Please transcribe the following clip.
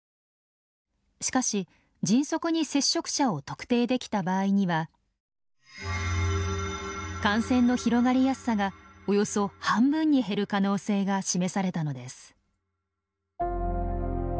しかし迅速に接触者を特定できた場合には感染の広がりやすさがおよそ半分に減る可能性が示されたのです。